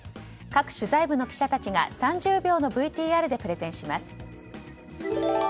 各取材部の記者たちが３０秒のＶＴＲでプレゼンします。